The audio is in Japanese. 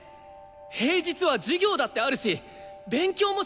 平日は授業だってあるし勉強もしなくちゃいけない。